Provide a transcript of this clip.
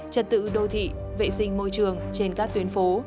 trật tự đô thị vệ sinh môi trường trên các tuyến phố